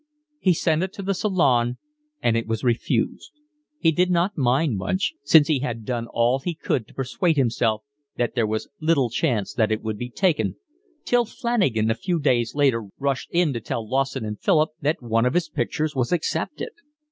He sent it to the Salon and it was refused. He did not mind much, since he had done all he could to persuade himself that there was little chance that it would be taken, till Flanagan a few days later rushed in to tell Lawson and Philip that one of his pictures was accepted.